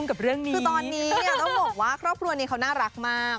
คือตอนนี้ต้องบอกว่าครอบครัวนี้เขาน่ารักมาก